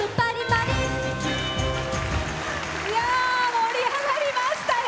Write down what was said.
盛り上がりましたよ！